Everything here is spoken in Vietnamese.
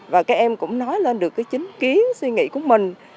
và các em cũng nói lên được chính kiến suy nghĩ của mình